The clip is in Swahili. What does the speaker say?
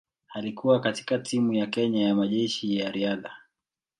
Alikuwa katika timu ya Kenya ya Majeshi ya Riadha.